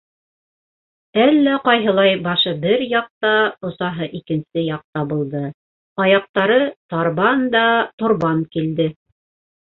Әллә ҡайһылай башы бер яҡта, осаһы икенсе яҡта булды, аяҡтары тарбан да торбан килде.